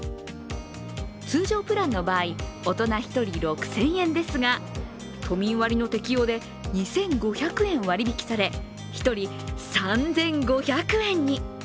通常プランの場合大人１人６０００円ですが都民割の適用で２５００円割引きされ１人３５００円に。